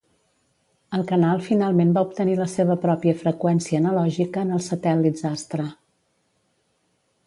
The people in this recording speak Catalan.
El canal finalment va obtenir la seva pròpia freqüència analògica en els satèl·lits Astra.